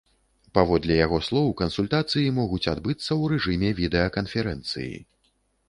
Паводле яго слоў, кансультацыі могуць адбыцца ў рэжыме відэаканферэнцыі.